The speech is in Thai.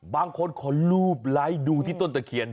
บางคนขอรูปไลค์ดูที่ต้นตะเคียน